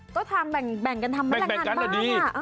ก็ทำแบ่งกันทำมากมาก